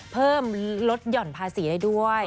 เพิ่มลดหย่อนภาษีได้ด้วย